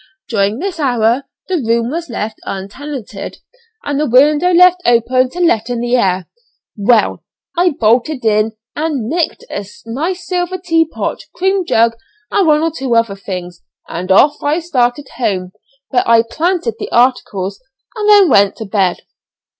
During this hour the room was left untenanted, and the window left open to let in the air. Well, I bolted in and 'nicked' a nice silver teapot, cream jug, and one or two other things, and off I started home, where I 'planted' the articles, and then went to bed.